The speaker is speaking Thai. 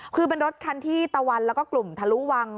คือเป็นรถคันที่ตะวันแล้วก็กลุ่มทะลุวัง